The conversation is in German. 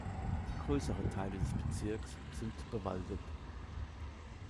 Größere Teile des Bezirks sind bewaldet.